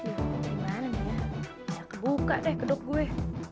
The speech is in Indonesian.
gimana nih ya bisa kebuka deh geduk gue